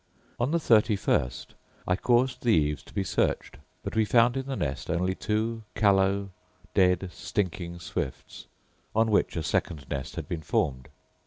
On the thirty first I caused the eaves to be searched, but we found in the nest only two callow, dead, stinking swifts, on which a second nest had been formed.